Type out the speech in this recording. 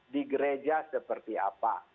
di gereja seperti apa